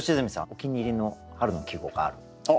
お気に入りの春の季語があるんですよね。